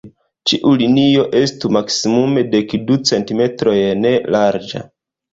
Ĉiu linio estu maksimume dek du centimetrojn larĝa.